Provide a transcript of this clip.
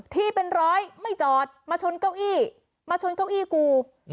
ที่เป็นร้อยไม่จอดมาชนเก้าอี้กู